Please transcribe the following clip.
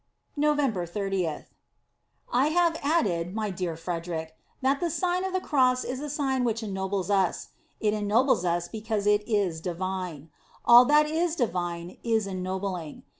November ZOth. I have added, my dear Frederic, that the Sign of the Cross is a Sign which ennobles. It ennobles us because it is divine. All that is divine is ennobling.